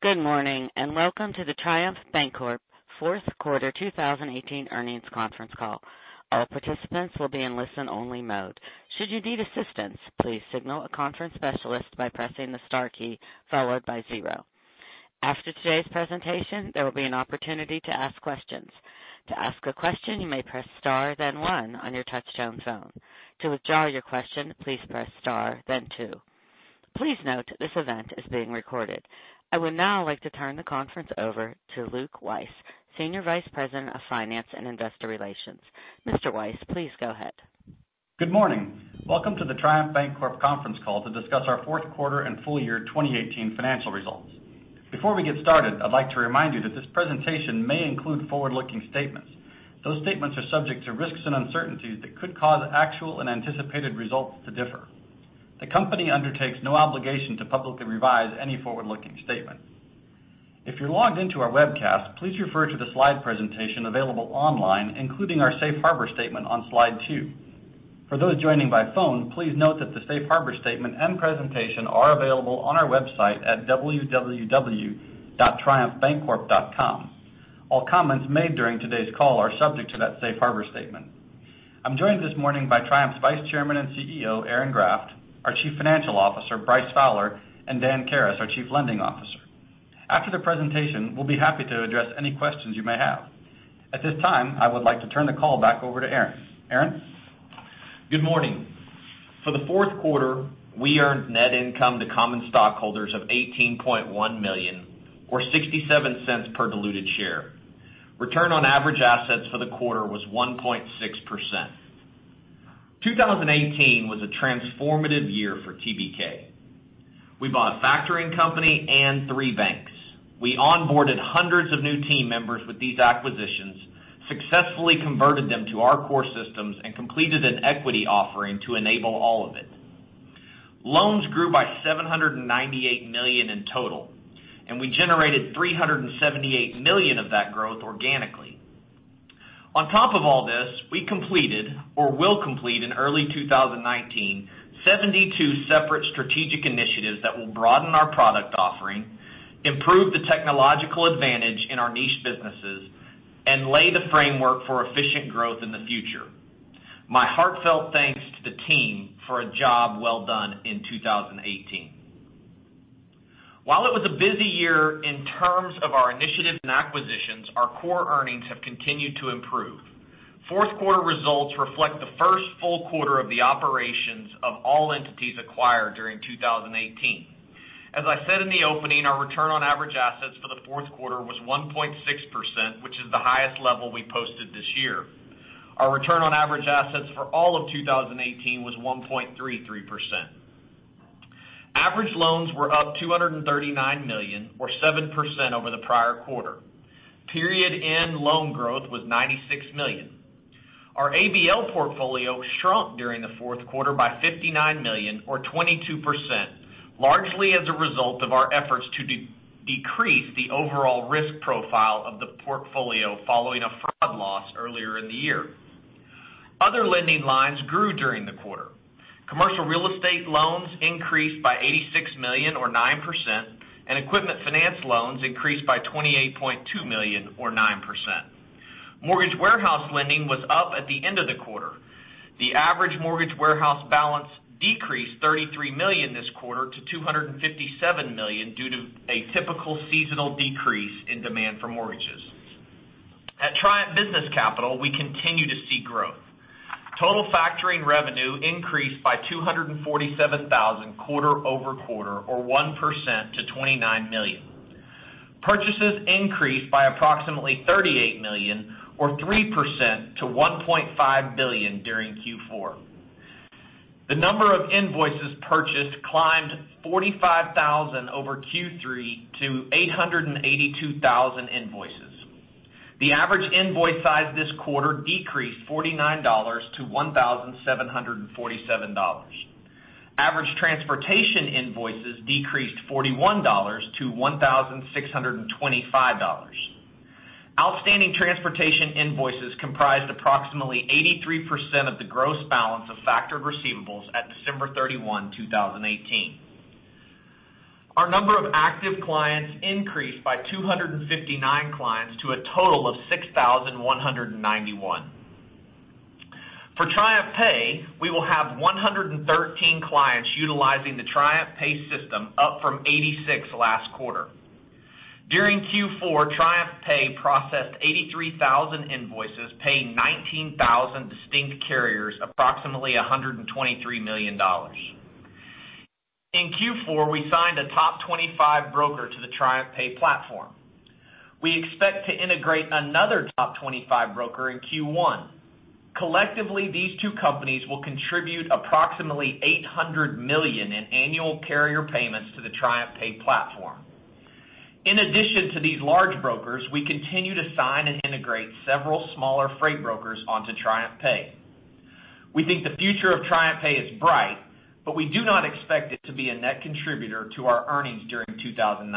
Good morning, and welcome to the Triumph Bancorp Fourth Quarter 2018 Earnings Conference Call. All participants will be in listen only mode. Should you need assistance, please signal a conference specialist by pressing the star key, followed by zero. After today's presentation, there will be an opportunity to ask questions. To ask a question, you may press star one on your touch-tone phone. To withdraw your question, please press star two. Please note this event is being recorded. I would now like to turn the conference over to Luke Wyse, Senior Vice President of Finance and Investor Relations. Mr. Wyse, please go ahead. Good morning. Welcome to the Triumph Bancorp conference call to discuss our fourth quarter and full year 2018 financial results. Before we get started, I'd like to remind you that this presentation may include forward-looking statements. Those statements are subject to risks and uncertainties that could cause actual and anticipated results to differ. The company undertakes no obligation to publicly revise any forward-looking statement. If you're logged into our webcast, please refer to the slide presentation available online, including our safe harbor statement on slide two. For those joining by phone, please note that the safe harbor statement and presentation are available on our website at www.triumphbancorp.com. All comments made during today's call are subject to that safe harbor statement. I'm joined this morning by Triumph's Vice Chairman and Chief Executive Officer, Aaron Graft; our Chief Financial Officer, Bryce Fowler; and Dan Karas, our Chief Lending Officer. After the presentation, we'll be happy to address any questions you may have. At this time, I would like to turn the call back over to Aaron. Aaron? Good morning. For the fourth quarter, we earned net income to common stockholders of $18.1 million, or $0.67 per diluted share. Return on average assets for the quarter was 1.6%. 2018 was a transformative year for TBK. We bought a factoring company and three banks. We onboarded hundreds of new team members with these acquisitions, successfully converted them to our core systems, and completed an equity offering to enable all of it. Loans grew by $798 million in total, and we generated $378 million of that growth organically. On top of all this, we completed or will complete in early 2019, 72 separate strategic initiatives that will broaden our product offering, improve the technological advantage in our niche businesses, and lay the framework for efficient growth in the future. My heartfelt thanks to the team for a job well done in 2018. While it was a busy year in terms of our initiatives and acquisitions, our core earnings have continued to improve. Fourth quarter results reflect the first full quarter of the operations of all entities acquired during 2018. As I said in the opening, our return on average assets for the fourth quarter was 1.6%, which is the highest level we posted this year. Our return on average assets for all of 2018 was 1.33%. Average loans were up $239 million or 7% over the prior quarter. Period-end loan growth was $96 million. Our ABL portfolio shrunk during the fourth quarter by $59 million or 22%, largely as a result of our efforts to decrease the overall risk profile of the portfolio following a fraud loss earlier in the year. Other lending lines grew during the quarter. Commercial real estate loans increased by $86 million or 9%. Equipment finance loans increased by $28.2 million or 9%. Mortgage warehouse lending was up at the end of the quarter. The average mortgage warehouse balance decreased $33 million this quarter to $257 million, due to a typical seasonal decrease in demand for mortgages. At Triumph Business Capital, we continue to see growth. Total factoring revenue increased by $247,000 quarter-over-quarter or 1% to $29 million. Purchases increased by approximately $38 million or 3% to $1.5 billion during Q4. The number of invoices purchased climbed 45,000 over Q3 to 882,000 invoices. The average invoice size this quarter decreased $49-$1,747. Average transportation invoices decreased $41-$1,625. Outstanding transportation invoices comprised approximately 83% of the gross balance of factored receivables at December 31, 2018. Our number of active clients increased by 259 clients to a total of 6,191. For TriumphPay, we will have 113 clients utilizing the TriumphPay system, up from 86 last quarter. During Q4, TriumphPay processed 83,000 invoices, paying 19,000 distinct carriers approximately $123 million. In Q4, we signed a top 25 broker to the TriumphPay platform. We expect to integrate another top 25 broker in Q1. Collectively, these two companies will contribute approximately $800 million in annual carrier payments to the TriumphPay platform. In addition to these large brokers, we continue to sign and integrate several smaller freight brokers onto TriumphPay. We think the future of TriumphPay is bright, but we do not expect it to be a net contributor to our earnings during 2019.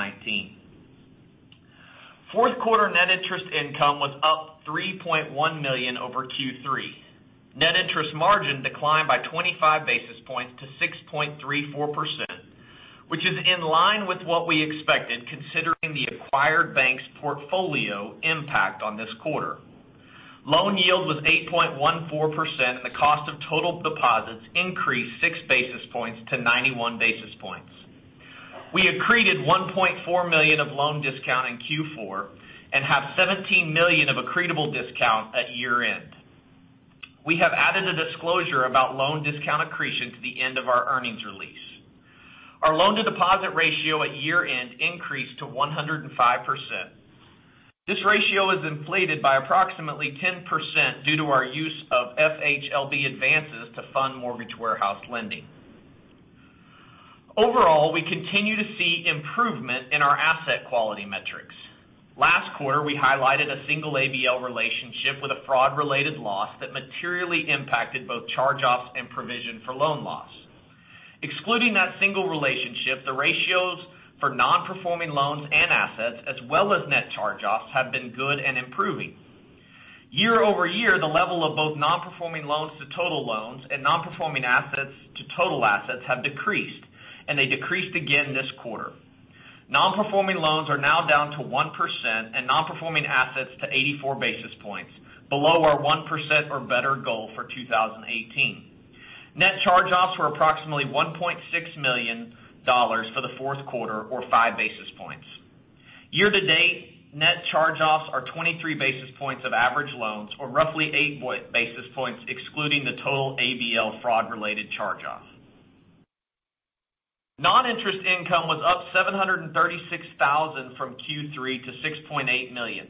Fourth quarter net interest income was up $3.1 million over Q3. Net interest margin declined by 25 basis points to 6.34%, which is in line with what we expected considering the acquired banks' portfolio impact on this quarter. Loan yield was 8.14%. The cost of total deposits increased 6 basis points-91 basis points. We accreted $1.4 million of loan discount in Q4 and have $17 million of accretable discount at year-end. We have added a disclosure about loan discount accretion to the end of our earnings release. Our loan-to-deposit ratio at year-end increased to 105%. This ratio is inflated by approximately 10% due to our use of FHLB advances to fund mortgage warehouse lending. Overall, we continue to see improvement in our asset quality metrics. Last quarter, we highlighted a single ABL relationship with a fraud-related loss that materially impacted both charge-offs and provision for loan loss. Excluding that single relationship, the ratios for non-performing loans and assets, as well as net charge-offs, have been good and improving. Year-over-year, the level of both non-performing loans to total loans and non-performing assets to total assets have decreased, and they decreased again this quarter. Non-performing loans are now down to 1%, and non-performing assets to 84 basis points, below our 1% or better goal for 2018. Net charge-offs were approximately $1.6 million for the fourth quarter, or 5 basis points. Year-to-date, net charge-offs are 23 basis points of average loans, or roughly 8 basis points excluding the total ABL fraud-related charge-off. Non-interest income was up $736,000 from Q3 to $6.8 million.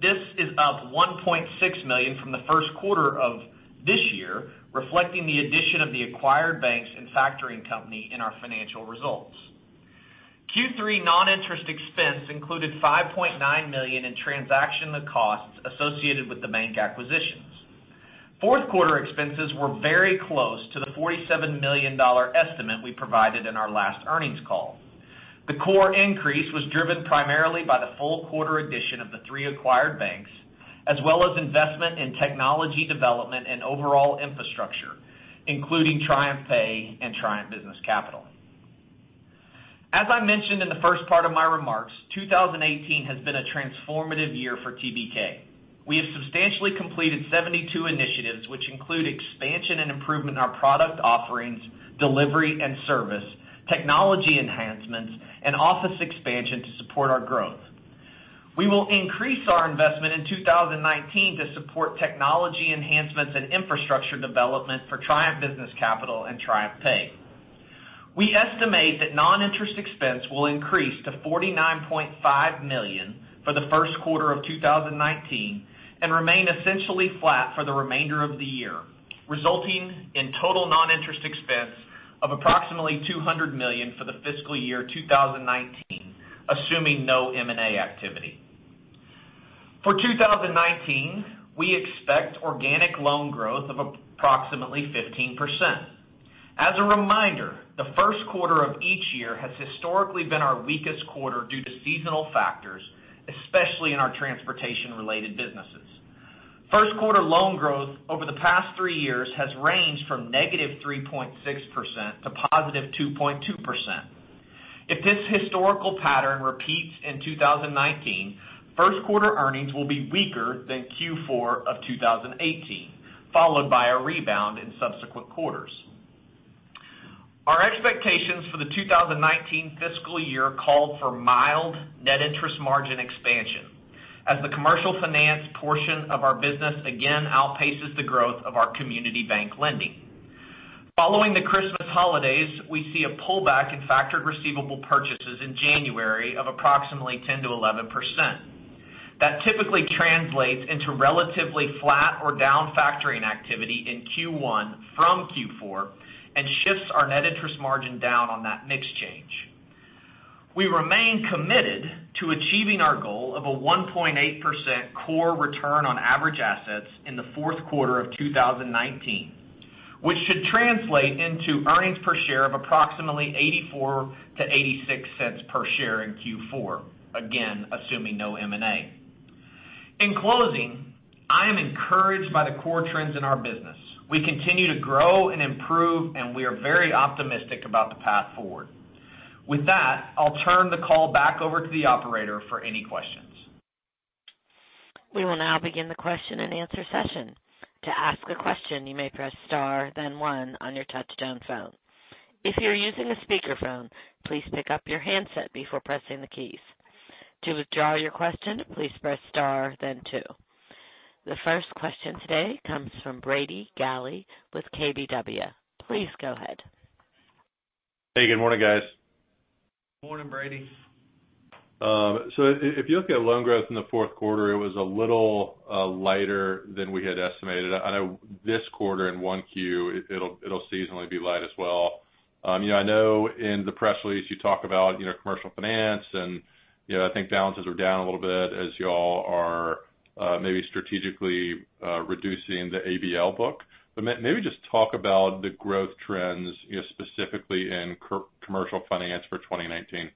This is up $1.6 million from the first quarter of this year, reflecting the addition of the acquired banks and factoring company in our financial results. Q3 non-interest expense included $5.9 million in transactional costs associated with the bank acquisitions. Fourth quarter expenses were very close to the $47 million estimate we provided in our last earnings call. The core increase was driven primarily by the full quarter addition of the three acquired banks, as well as investment in technology development and overall infrastructure, including TriumphPay and Triumph Business Capital. As I mentioned in the first part of my remarks, 2018 has been a transformative year for TBK. We have substantially completed 72 initiatives, which include expansion and improvement in our product offerings, delivery and service, technology enhancements, and office expansion to support our growth. We will increase our investment in 2019 to support technology enhancements and infrastructure development for Triumph Business Capital and TriumphPay. We estimate that non-interest expense will increase to $49.5 million for the first quarter of 2019 and remain essentially flat for the remainder of the year, resulting in total non-interest expense of approximately $200 million for the fiscal year 2019, assuming no M&A activity. For 2019, we expect organic loan growth of approximately 15%. As a reminder, the first quarter of each year has historically been our weakest quarter due to seasonal factors, especially in our transportation-related businesses. First quarter loan growth over the past three years has ranged from negative 3.6% to positive 2.2%. If this historical pattern repeats in 2019, first quarter earnings will be weaker than Q4 of 2018, followed by a rebound in subsequent quarters. Our expectations for the 2019 fiscal year call for mild net interest margin expansion as the commercial finance portion of our business again outpaces the growth of our community bank lending. Following the Christmas holidays, we see a pullback in factored receivable purchases in January of approximately 10%-11%. That typically translates into relatively flat or down factoring activity in Q1 from Q4 and shifts our net interest margin down on that mix change. We remain committed to achieving our goal of a 1.8% core return on average assets in the fourth quarter of 2019, which should translate into earnings per share of approximately $0.84-$0.86 per share in Q4, again, assuming no M&A. In closing, I am encouraged by the core trends in our business. We continue to grow and improve, and we are very optimistic about the path forward. With that, I'll turn the call back over to the operator for any questions. We will now begin the question and answer session. To ask a question, you may press star then one on your touchtone phone. If you are using a speakerphone, please pick up your handset before pressing the keys. To withdraw your question, please press star then two. The first question today comes from Brady Gailey with KBW. Please go ahead. Good morning guys Good morning, Brady. If you look at loan growth in the fourth quarter, it was a little lighter than we had estimated. I know this quarter in 1Q, it'll seasonally be light as well. I know in the press release you talk about commercial finance, and I think balances are down a little bit as you all are maybe strategically reducing the ABL book. Maybe just talk about the growth trends specifically in commercial finance for 2019.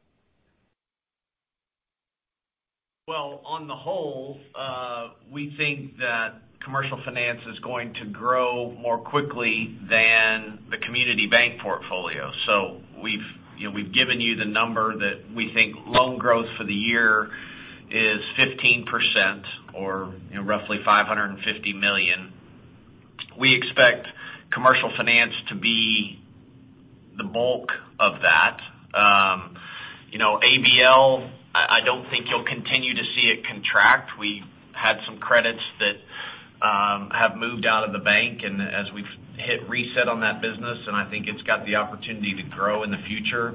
On the whole, we think that commercial finance is going to grow more quickly than the community bank portfolio. We've given you the number that we think loan growth for the year is 15% or roughly $550 million. We expect commercial finance to be the bulk of that. ABL, I don't think you'll continue to see it contract. We had some credits that have moved out of the bank and as we've hit reset on that business, and I think it's got the opportunity to grow in the future.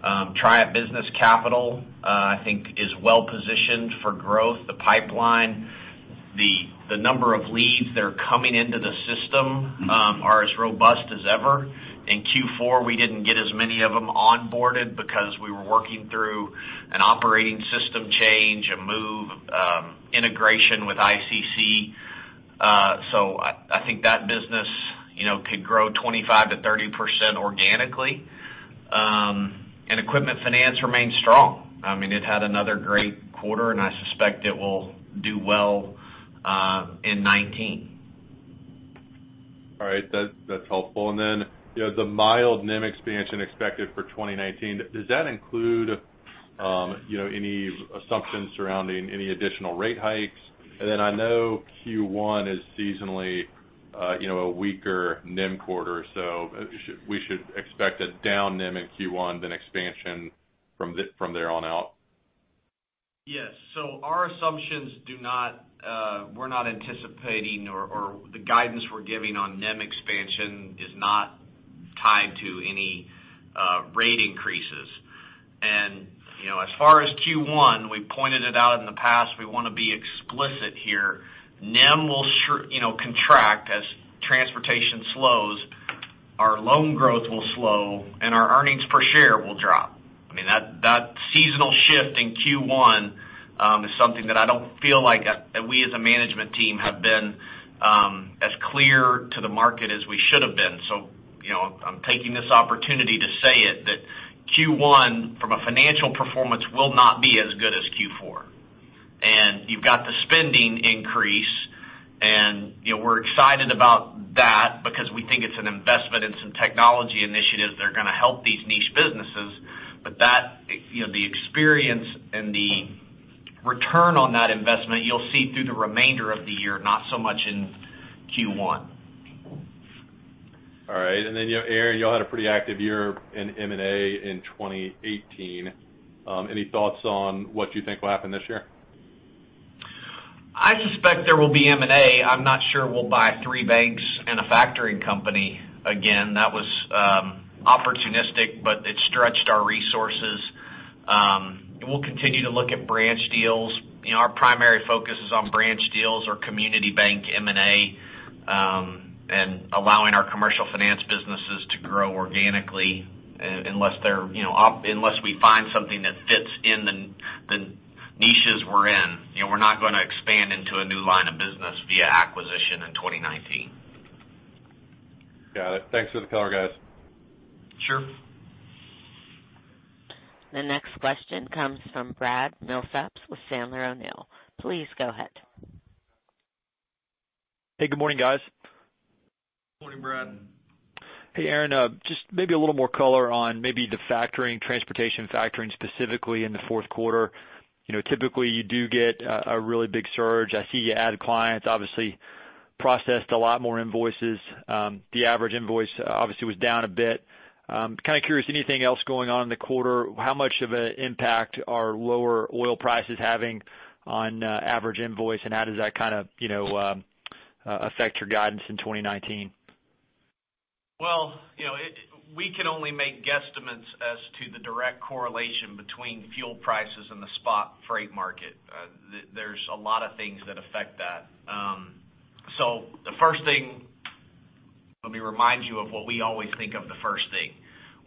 Triumph Business Capital, I think is well-positioned for growth. The pipeline, the number of leads that are coming into the system are as robust as ever. In Q4, we didn't get as many of them onboarded because we were working through an operating system change, a move, integration with ICC. I think that business could grow 25% to 30% organically. Equipment finance remains strong. It had another great quarter, I suspect it will do well in 2019. All right. That's helpful. The mild NIM expansion expected for 2019, does that include any assumptions surrounding any additional rate hikes? I know Q1 is seasonally a weaker NIM quarter, we should expect a down NIM in Q1, then expansion from there on out? Yes. We're not anticipating or the guidance we're giving on NIM expansion is not tied to any rate increases. As far as Q1, we pointed it out in the past, we want to be explicit here. NIM will contract as transportation slows, our loan growth will slow, our earnings per share will drop. That seasonal shift in Q1 is something that I don't feel like we as a management team have been as clear to the market as we should've been. I'm taking this opportunity to say it, that Q1, from a financial performance, will not be as good as Q4. You've got the spending increase, we're excited about that because we think it's an investment in some technology initiatives that are going to help these niche businesses. The experience and the return on that investment, you'll see through the remainder of the year, not so much in Q1. Aaron, you all had a pretty active year in M&A in 2018. Any thoughts on what you think will happen this year? I suspect there will be M&A. I'm not sure we'll buy three banks and a factoring company again. That was opportunistic, but it stretched our resources. We'll continue to look at branch deals. Our primary focus is on branch deals or community bank M&A, and allowing our commercial finance businesses to grow organically, unless we find something that fits in the niches we're in. We're not going to expand into a new line of business via acquisition in 2019. Got it. Thanks for the color, guys. Sure. The next question comes from Brad Milsaps with Sandler O'Neill. Please go ahead. Hey, good morning, guys. Morning, Brad. Hey, Aaron, just maybe a little more color on maybe the factoring, transportation factoring, specifically in the fourth quarter. Typically, you do get a really big surge. I see you added clients, obviously processed a lot more invoices. The average invoice obviously was down a bit. Curious, anything else going on in the quarter? How much of an impact are lower oil prices having on average invoice, and how does that kind of affect your guidance in 2019? Well, we can only make guesstimates as to the direct correlation between fuel prices and the spot freight market. There's a lot of things that affect that. The first thing, let me remind you of what we always think of the first thing.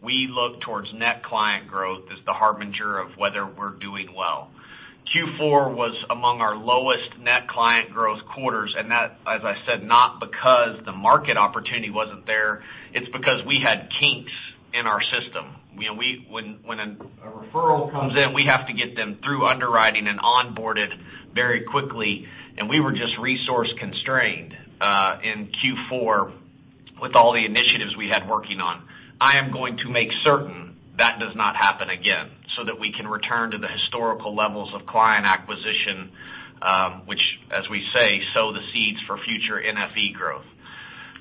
We look towards net client growth as the harbinger of whether we're doing well. Q4 was among our lowest net client growth quarters, and that, as I said, not because the market opportunity wasn't there, it's because we had kinks in our system. When a referral comes in, we have to get them through underwriting and onboarded very quickly, and we were just resource constrained in Q4 with all the initiatives we had working on. I am going to make certain that does not happen again so that we can return to the historical levels of client acquisition, which as we say, sow the seeds for future NFE growth.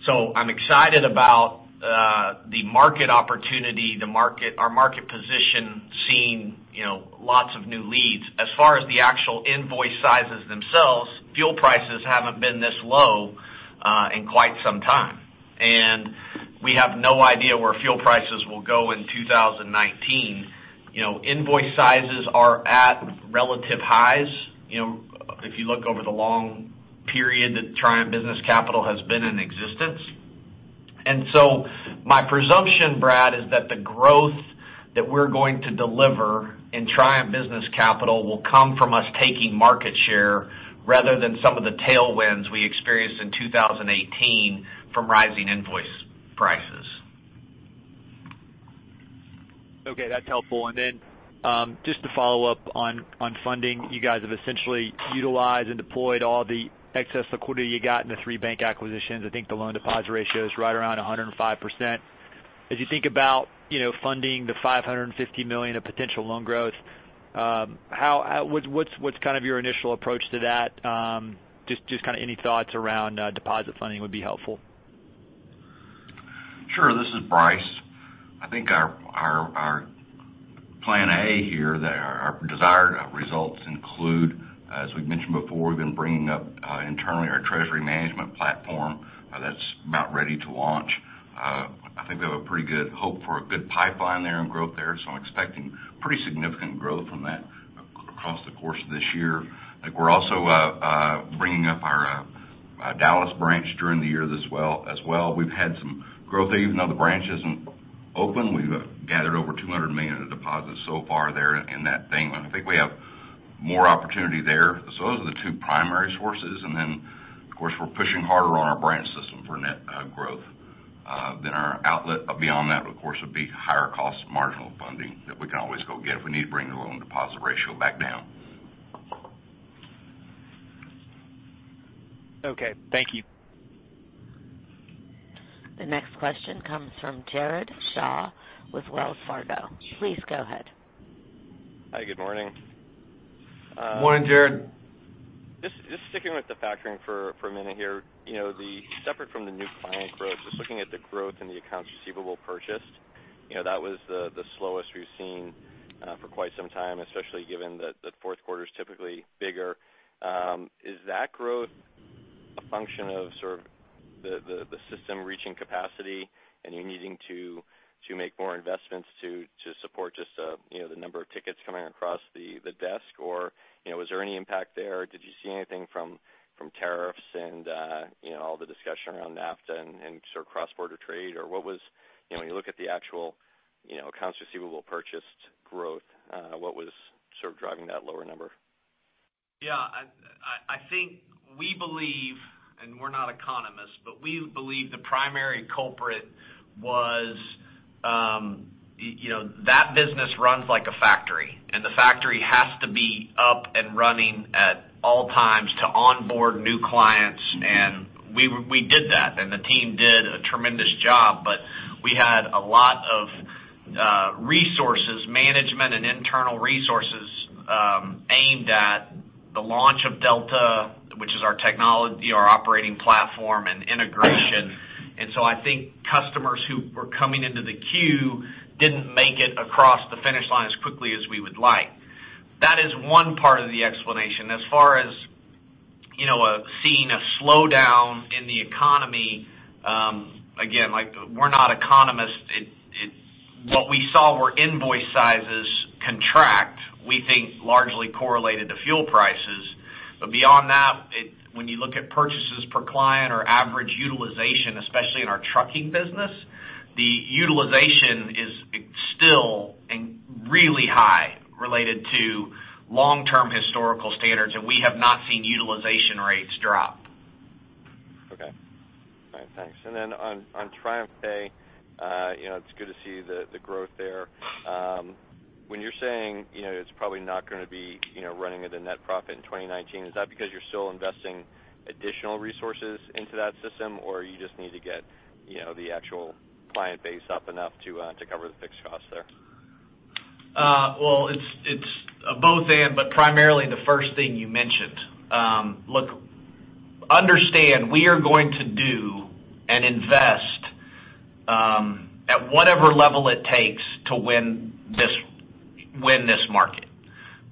I'm excited about the market opportunity, our market position, seeing lots of new leads. As far as the actual invoice sizes themselves, fuel prices haven't been this low in quite some time. We have no idea where fuel prices will go in 2019. Invoice sizes are at relative highs. If you look over the long period that Triumph Business Capital has been in existence. My presumption, Brad, is that the growth that we're going to deliver in Triumph Business Capital will come from us taking market share rather than some of the tailwinds we experienced in 2018 from rising invoice prices. Okay, that's helpful. Just to follow up on funding, you guys have essentially utilized and deployed all the excess liquidity you got in the three bank acquisitions. I think the loan deposit ratio is right around 105%. As you think about funding the $550 million of potential loan growth, what's your initial approach to that? Just any thoughts around deposit funding would be helpful. Sure. This is Bryce. I think our plan A here, our desired results include, as we've mentioned before, we've been bringing up internally our treasury management platform that's about ready to launch. I think we have a pretty good hope for a good pipeline there and growth there, I'm expecting pretty significant growth from that across the course of this year. I think we're also bringing up our Dallas branch during the year as well. We've had some growth there, even though the branch isn't open. We've gathered over $200 million of deposits so far there in that bank loan. I think we have more opportunity there. Those are the two primary sources, and then, of course, we're pushing harder on our branch system for net growth. Our outlet beyond that, of course, would be higher cost marginal funding that we can always go get if we need to bring the loan deposit ratio back down. Okay, thank you. The next question comes from Jared Shaw with Wells Fargo. Please go ahead. Hi, good morning. Morning, Jared. Just sticking with the factoring for a minute here. Separate from the new client growth, just looking at the growth in the accounts receivable purchased, that was the slowest we've seen for quite some time, especially given that fourth quarter's typically bigger. Is that growth a function of the system reaching capacity and you needing to make more investments to support just the number of tickets coming across the desk, or was there any impact there? Did you see anything from tariffs and all the discussion around NAFTA and cross-border trade, or when you look at the actual accounts receivable purchased growth, what was driving that lower number? Yeah. I think we believe, and we're not economists, we believe the primary culprit was that business runs like a factory, and the factory has to be up and running at all times to onboard new clients. We did that, and the team did a tremendous job, we had a lot of resources, management, and internal resources aimed at the launch of Delta, which is our technology, our operating platform, and integration. I think customers who were coming into the queue didn't make it across the finish line as quickly as we would like. That is one part of the explanation. As far as seeing a slowdown in the economy, again, we're not economists. What we saw were invoice sizes contract, we think largely correlated to fuel prices. Beyond that, when you look at purchases per client or average utilization, especially in our trucking business, the utilization is still really high related to long-term historical standards, and we have not seen utilization rates drop. Okay. All right, thanks. On TriumphPay, it's good to see the growth there. When you're saying it's probably not going to be running at a net profit in 2019, is that because you're still investing additional resources into that system, or you just need to get the actual client base up enough to cover the fixed costs there? Well, it's both and, but primarily the first thing you mentioned. Look, understand we are going to do and invest at whatever level it takes to win this market.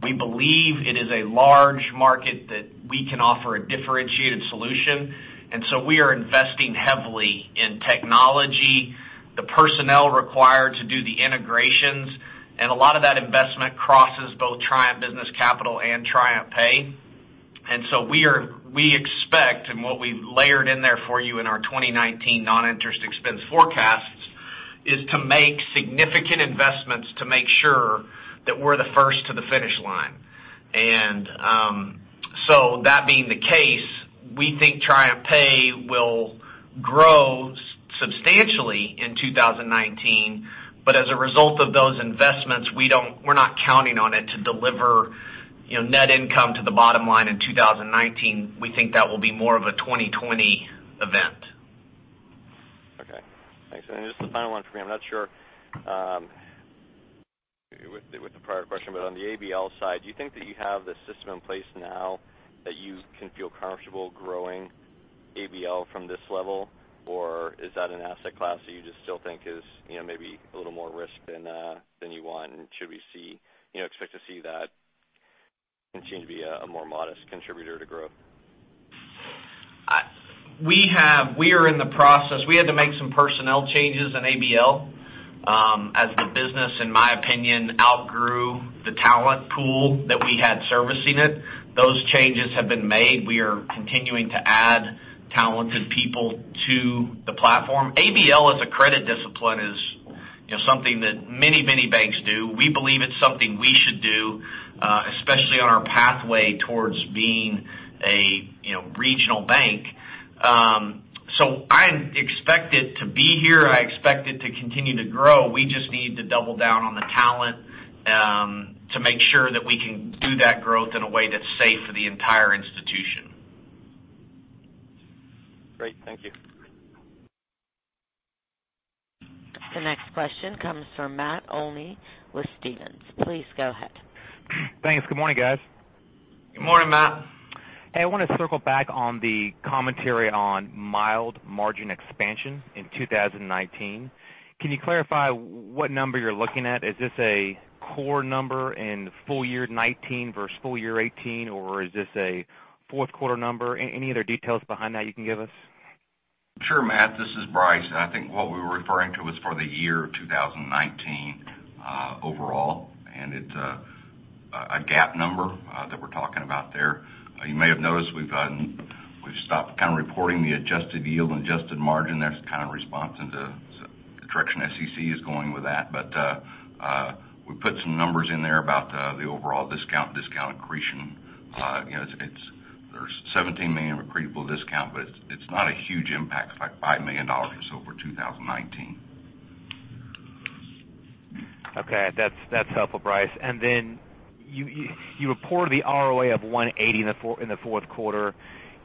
We believe it is a large market that we can offer a differentiated solution. We are investing heavily in technology, the personnel required to do the integrations, and a lot of that investment crosses both Triumph Business Capital and TriumphPay. We expect, and what we layered in there for you in our 2019 non-interest expense forecasts, is to make significant investments to make sure that we're the first to the finish line. That being the case, we think TriumphPay will grow substantially in 2019. As a result of those investments, we're not counting on it to deliver net income to the bottom line in 2019. We think that will be more of a 2020 event. Okay. Thanks. Just the final one for me, I'm not sure with the prior question, on the ABL side, do you think that you have the system in place now that you can feel comfortable growing ABL from this level? Or is that an asset class that you just still think is maybe a little more risk than you want, and should we expect to see that continue to be a more modest contributor to growth? We are in the process. We had to make some personnel changes in ABL as the business, in my opinion, outgrew the talent pool that we had servicing it. Those changes have been made. We are continuing to add talented people to the platform. ABL as a credit discipline is something that many banks do. We believe it's something we should do. Especially on our pathway towards being a regional bank. I expect it to be here. I expect it to continue to grow. We just need to double down on the talent to make sure that we can do that growth in a way that's safe for the entire institution. Great. Thank you. The next question comes from Matt Olney with Stephens. Please go ahead. Thanks. Good morning, guys. Good morning, Matt. Hey, I want to circle back on the commentary on mild margin expansion in 2019. Can you clarify what number you're looking at? Is this a core number in full year 2019 versus full year 2018, or is this a fourth quarter number? Any other details behind that you can give us? Sure, Matt. This is Bryce. I think what we were referring to was for the year 2019 overall. It's a GAAP number that we're talking about there. You may have noticed we've stopped kind of reporting the adjusted yield and adjusted margin. That's kind of response into the direction SEC is going with that. We put some numbers in there about the overall discount accretion. There's $17 million of accretable discount, but it's not a huge impact. It's like $5 million or so for 2019. Okay. That's helpful, Bryce. Then you reported the ROA of 180 in the fourth quarter.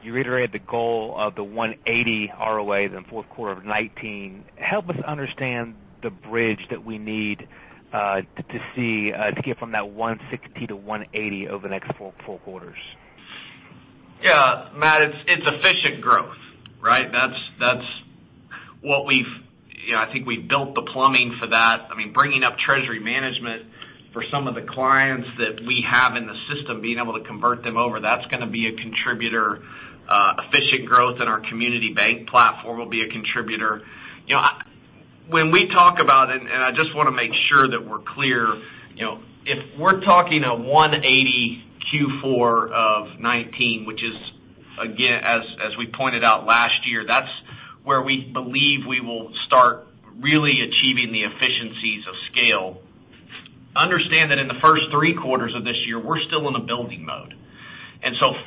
You reiterated the goal of the 180 ROA in the fourth quarter of 2019. Help us understand the bridge that we need to see to get from that 160-180 over the next four quarters. Yeah, Matt, it's efficient growth, right? That's what I think we've built the plumbing for that. Bringing up treasury management for some of the clients that we have in the system, being able to convert them over, that's going to be a contributor. Efficient growth in our community bank platform will be a contributor. When we talk about it, I just want to make sure that we're clear, if we're talking a 180 Q4 of 2019, which is, again, as we pointed out last year, that's where we believe we will start really achieving the efficiencies of scale. Understand that in the first three quarters of this year, we're still in a building mode.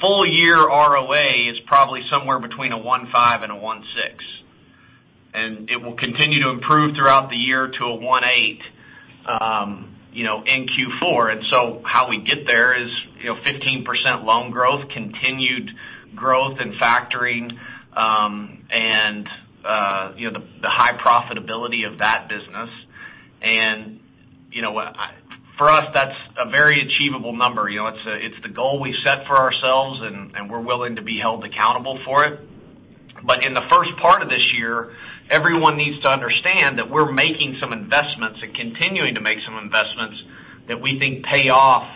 Full year ROA is probably somewhere between a 1.5 and a 1.6. It will continue to improve throughout the year to a 1.8 in Q4. How we get there is 15% loan growth, continued growth in factoring, and the high profitability of that business. For us, that's a very achievable number. It's the goal we've set for ourselves, and we're willing to be held accountable for it. In the first part of this year, everyone needs to understand that we're making some investments and continuing to make some investments that we think pay off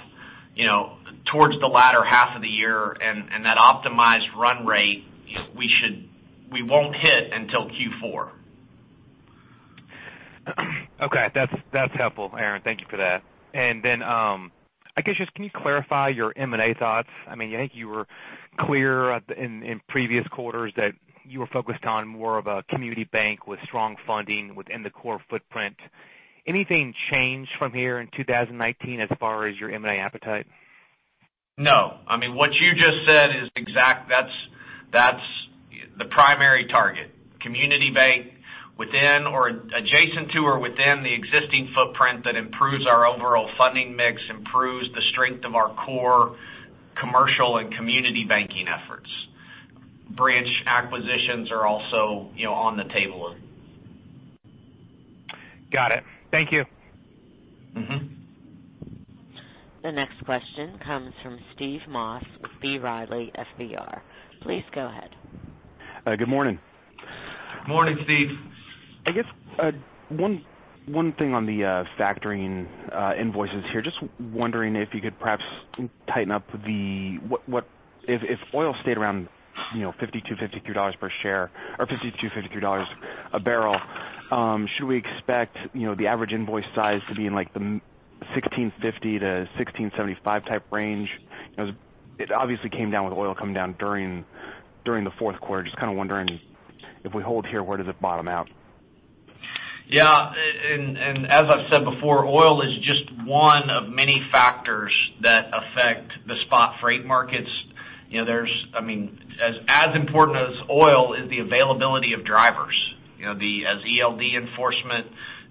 towards the latter half of the year. That optimized run rate we won't hit until Q4. Okay. That's helpful, Aaron. Thank you for that. I guess just can you clarify your M&A thoughts? I think you were clear in previous quarters that you were focused on more of a community bank with strong funding within the core footprint. Anything changed from here in 2019 as far as your M&A appetite? No. What you just said is exact. That's the primary target. Community bank adjacent to or within the existing footprint that improves our overall funding mix, improves the strength of our core commercial and community banking efforts. Branch acquisitions are also on the table. Got it. Thank you. The next question comes from Steve Moss with B. Riley FBR. Please go ahead. Good morning. Morning, Steve. I guess one thing on the factoring invoices here. Just wondering if you could perhaps tighten up if oil stayed around $52, $53 per share or $52, $53 a barrel, should we expect the average invoice size to be in like the $1,650-$1,675 type range? It obviously came down with oil coming down during the fourth quarter. Just kind of wondering if we hold here, where does it bottom out? Yeah. As I've said before, oil is just one of many factors that affect the spot freight markets. As important as oil is the availability of drivers. As ELD enforcement,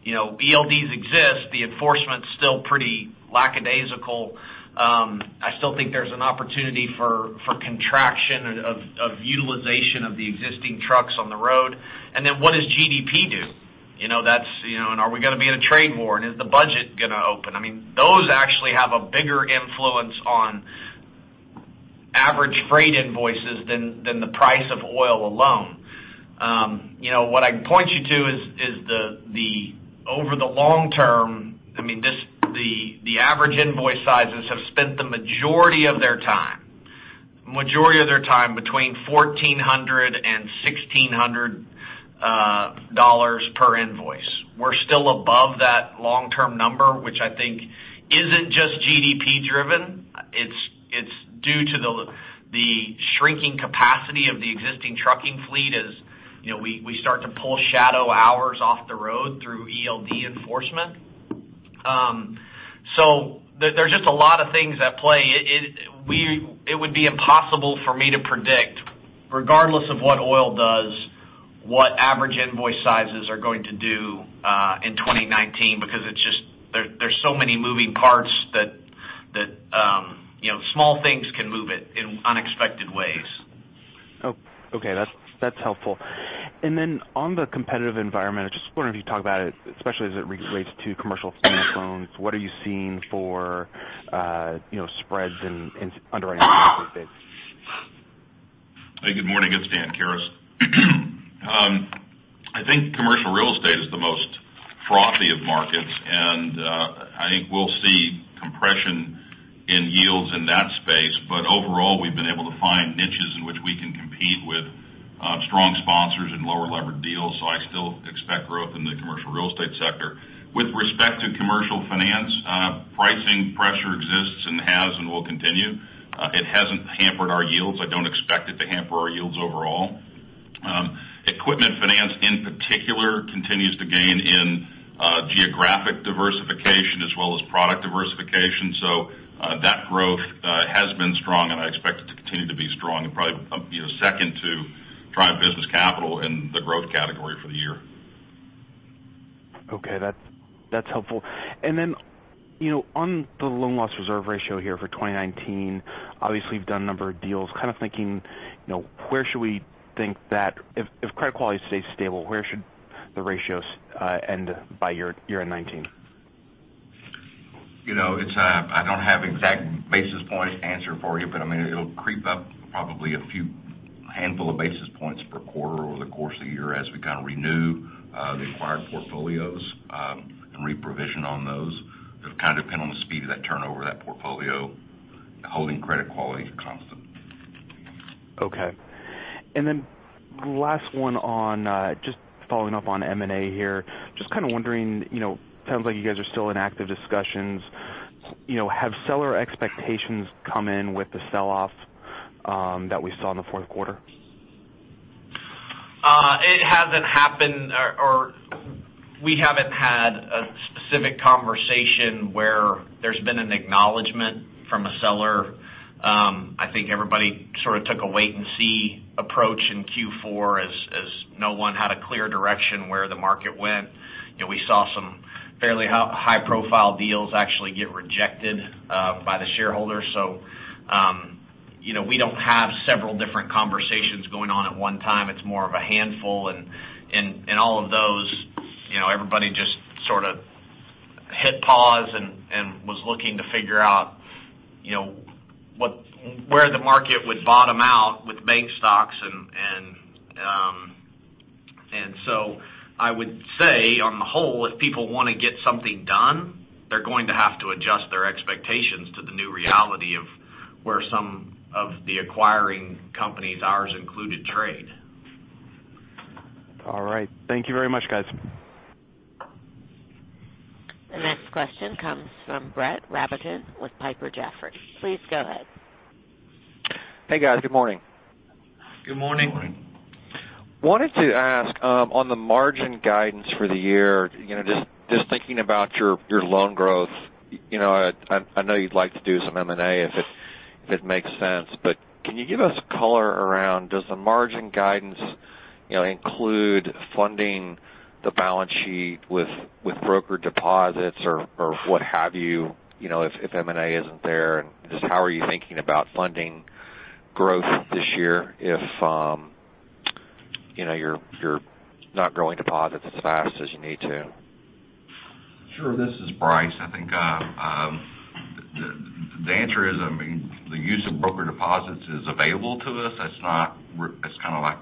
ELDs exist, the enforcement's still pretty lackadaisical. I still think there's an opportunity for contraction of utilization of the existing trucks on the road. What does GDP do? Are we going to be in a trade war? Is the budget going to open? Those actually have a bigger influence on average freight invoices than the price of oil alone. What I'd point you to is over the long term, the average invoice sizes have spent the majority of their time between $1,400 and $1,600 per invoice. We're still above that long-term number, which I think isn't just GDP driven due to the shrinking capacity of the existing trucking fleet, as we start to pull shadow hours off the road through ELD enforcement. There's just a lot of things at play. It would be impossible for me to predict, regardless of what oil does, what average invoice sizes are going to do in 2019, because there's so many moving parts that small things can move it in unexpected ways. Okay. That's helpful. On the competitive environment, I just wonder if you talk about it, especially as it relates to commercial finance loans, what are you seeing for spreads in underwriting commercial real estate? Hey, good morning. It's Dan Karas. I think commercial real estate is the most frothy of markets, and I think we'll see compression in yields in that space. Overall, we've been able to find niches in which we can compete with strong sponsors and lower levered deals. I still expect growth in the commercial real estate sector. With respect to commercial finance, pricing pressure exists and has, and will continue. It hasn't hampered our yields. I don't expect it to hamper our yields overall. Equipment finance in particular continues to gain in geographic diversification as well as product diversification. That growth has been strong, and I expect it to continue to be strong and probably be the second to Triumph Business Capital in the growth category for the year. Okay. That's helpful. Then, on the loan loss reserve ratio here for 2019, obviously you've done a number of deals. Kind of thinking, if credit quality stays stable, where should the ratios end by year end 2019? I don't have exact basis points answer for you, it'll creep up probably a few handful of basis points per quarter over the course of the year as we kind of renew the acquired portfolios, and reprovision on those. It kind of depend on the speed of that turnover of that portfolio, holding credit quality constant. Okay. Then last one on, just following up on M&A here, just kind of wondering, sounds like you guys are still in active discussions. Have seller expectations come in with the sell-off that we saw in the fourth quarter? It hasn't happened, we haven't had a specific conversation where there's been an acknowledgement from a seller. I think everybody sort of took a wait and see approach in Q4 as no one had a clear direction where the market went. We saw some fairly high-profile deals actually get rejected by the shareholders. We don't have several different conversations going on at one time. It's more of a handful. In all of those, everybody just sort of hit pause and was looking to figure out where the market would bottom out with bank stocks. I would say on the whole, if people want to get something done, they're going to have to adjust their expectations to the new reality of where some of the acquiring companies, ours included, trade. All right. Thank you very much, guys. The next question comes from Brett Rabatin with Piper Jaffray. Please go ahead. Hey, guys. Good morning. Good morning. Good morning. Wanted to ask, on the margin guidance for the year, just thinking about your loan growth, I know you'd like to do some M&A if it makes sense. Can you give us color around, does the margin guidance include funding the balance sheet with broker deposits or what have you, if M&A isn't there? Just how are you thinking about funding growth this year if you're not growing deposits as fast as you need to? Sure. This is Bryce. I think the answer is, the use of broker deposits is available to us. That's kind of like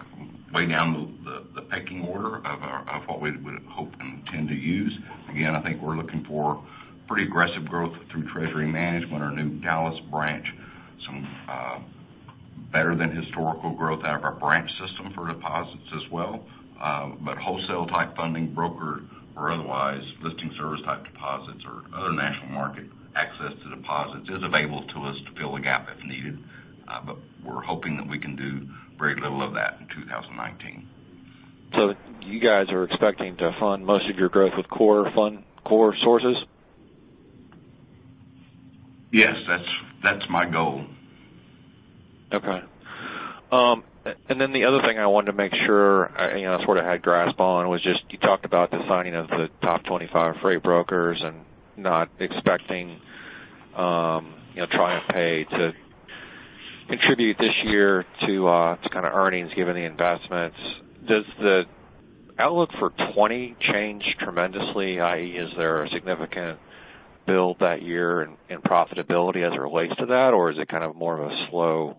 way down the pecking order of what we would hope and intend to use. Again, I think we're looking for pretty aggressive growth through treasury management, our new Dallas branch, some better than historical growth out of our branch system for deposits as well. Wholesale type funding, broker or otherwise, listing service type deposits or other national market access to deposits is available to us to fill the gap if needed. We're hoping that we can do very little of that in 2019. You guys are expecting to fund most of your growth with core sources? Yes, that's my goal. Okay. The other thing I wanted to make sure I sort of had grasp on was just, you talked about the signing of the top 25 freight brokers and not expecting TriumphPay to contribute this year to kind of earnings given the investments. Does the outlook for 2020 change tremendously, i.e., is there a significant build that year in profitability as it relates to that? Or is it kind of more of a slow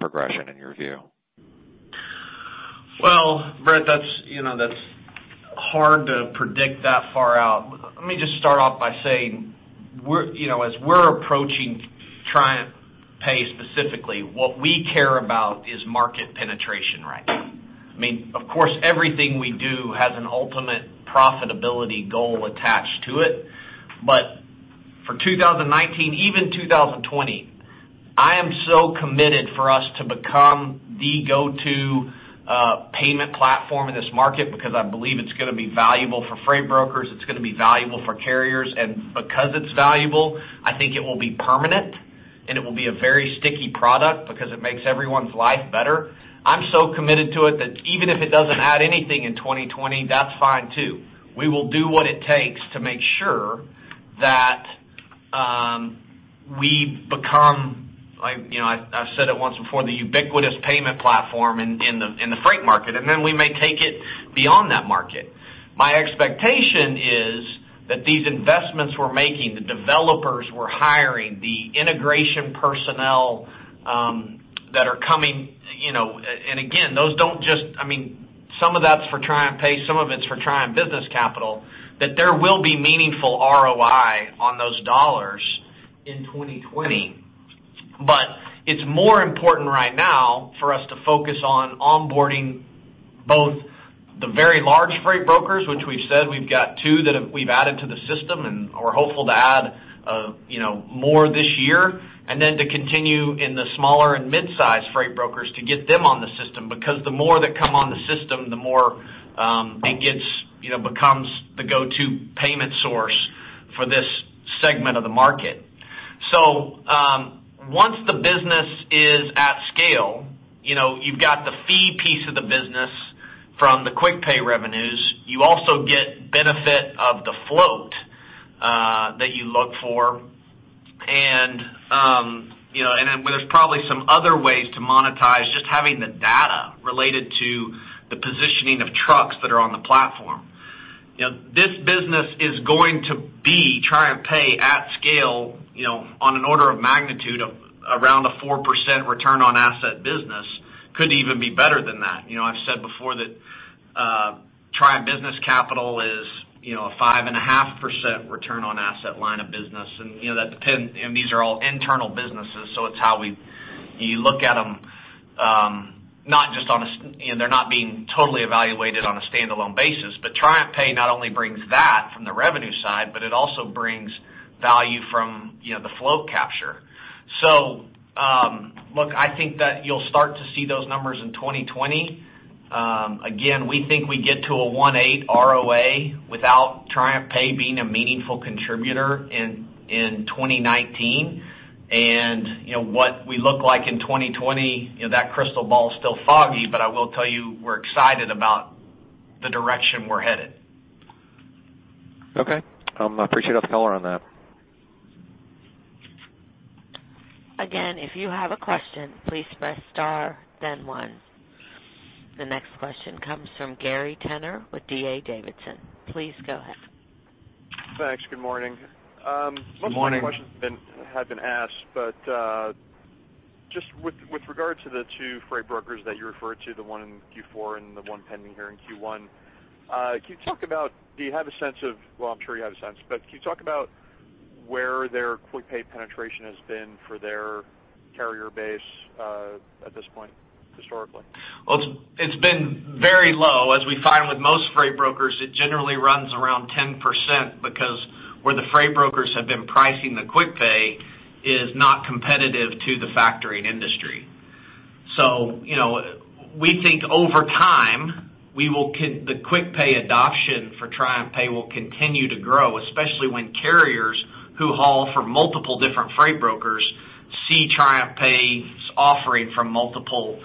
progression in your view? Well, Brett, that's hard to predict that far out. Let me just start off by saying, as we're approaching TriumphPay specifically, what we care about is market penetration right now. Of course, everything we do has an ultimate profitability goal attached to it. For 2019, even 2020, I am so committed for us to become the go-to payment platform in this market, because I believe it's going to be valuable for freight brokers, it's going to be valuable for carriers. Because it's valuable, I think it will be permanent, and it will be a very sticky product because it makes everyone's life better. I'm so committed to it that even if it doesn't add anything in 2020, that's fine too. We will do what it takes to make sure that we become, I've said it once before, the ubiquitous payment platform in the freight market, we may take it beyond that market. My expectation is that these investments we're making, the developers we're hiring, the integration personnel that are coming, and again, some of that's for TriumphPay, some of it's for Triumph Business Capital, that there will be meaningful ROI on those dollars in 2020. It's more important right now for us to focus on onboarding both the very large freight brokers, which we've said we've got two that we've added to the system, and we're hopeful to add more this year, and then to continue in the smaller and mid-size freight brokers to get them on the system, because the more that come on the system, the more it becomes the go-to payment source for this segment of the market. Once the business is at scale, you've got the fee piece of the business from the quick pay revenues. You also get benefit of the float that you look for. There's probably some other ways to monetize just having the data related to the positioning of trucks that are on the platform. This business is going to be TriumphPay at scale, on an order of magnitude of around a 4% return on asset business. Could even be better than that. I've said before that Triumph Business Capital is a 5.5% return on asset line of business, and these are all internal businesses, so it's how you look at them, they're not being totally evaluated on a standalone basis. TriumphPay not only brings that from the revenue side, but it also brings value from the float capture. Look, I think that you'll start to see those numbers in 2020. Again, we think we get to a 1.8 ROA without TriumphPay being a meaningful contributor in 2019. What we look like in 2020, that crystal ball is still foggy, but I will tell you we're excited about the direction we're headed. Okay. I appreciate all the color on that. If you have a question, please press star, then one. The next question comes from Gary Tenner with D.A. Davidson. Please go ahead. Thanks. Good morning. Good morning. Most of my questions have been asked. Just with regard to the two freight brokers that you referred to, the one in Q4 and the one pending here in Q1, do you have a sense of, well, I'm sure you have a sense. Can you talk about where their quick pay penetration has been for their carrier base at this point historically? Well, it's been very low. As we find with most freight brokers, it generally runs around 10% because where the freight brokers have been pricing the quick pay is not competitive to the factoring industry. We think over time, the quick pay adoption for TriumphPay will continue to grow, especially when carriers who haul for multiple different freight brokers see TriumphPay's offering from multiple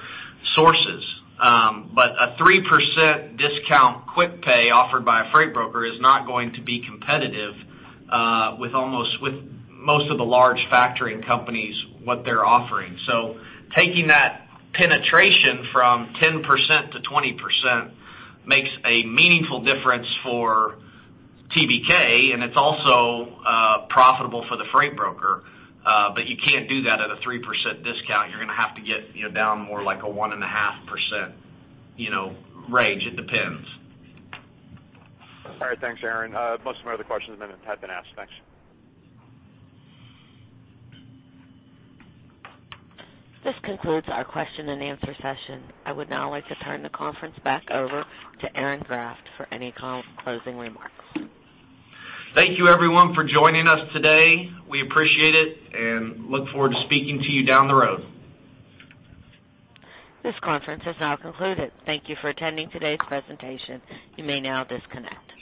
sources. A 3% discount quick pay offered by a freight broker is not going to be competitive with most of the large factoring companies, what they're offering. Taking that penetration from 10%-20% makes a meaningful difference for TBK, and it's also profitable for the freight broker. You can't do that at a 3% discount. You're going to have to get down more like a 1.5% range. It depends. All right. Thanks, Aaron. Most of my other questions have been asked. Thanks. This concludes our question and answer session. I would now like to turn the conference back over to Aaron Graft for any closing remarks. Thank you everyone for joining us today. We appreciate it and look forward to speaking to you down the road. This conference has now concluded. Thank you for attending today's presentation. You may now disconnect.